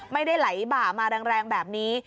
ไม่ได้ไหลบ่ามาแรงแบบนี้